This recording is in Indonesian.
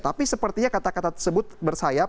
tapi sepertinya kata kata tersebut bersayap